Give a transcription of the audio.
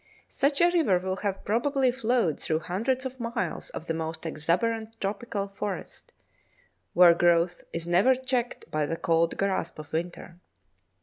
Such a river will have probably flowed through hundreds of miles of the most exuberant tropical forest, where growth is never checked by the cold grasp of winter.